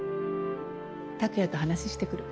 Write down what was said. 拓也と話してくる。